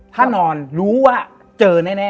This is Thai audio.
ถ้านอนรู้ว่าเจอแน่